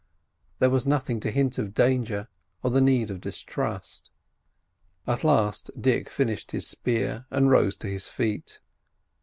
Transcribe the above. There was nothing to hint of danger or the need of distrust. At last Dick finished his spear and rose to his feet.